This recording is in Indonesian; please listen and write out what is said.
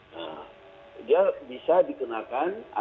nah dia bisa dikenakan